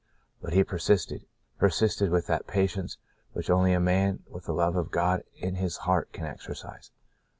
But he persisted — persisted with that patience which only a man with the love of God in his heart can exercise.